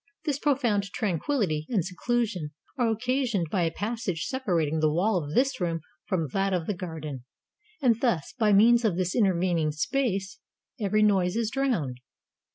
This profound tran quillity and seclusion are occasioned by a passage sepa rating the wall of this room from that of the garden, and thus, by means of this intervening space, every noise is drowned.